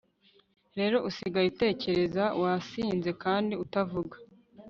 rero, usigaye utekereza, wasinze, kandi utavuga